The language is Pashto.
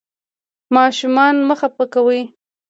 ماشومان مه خفه کوئ.